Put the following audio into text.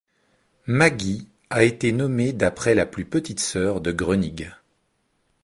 Maggie a été nommée d'après la plus petite sœur de Groening.